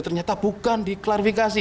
ternyata bukan diklarifikasi